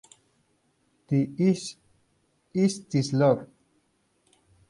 Is This Love?